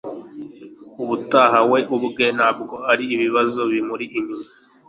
ubutaha, we ubwe! - ntabwo ari ibibazo bimuri inyuma